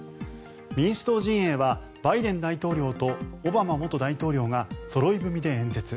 民主党陣営はバイデン大統領とオバマ元大統領がそろい踏みで演説。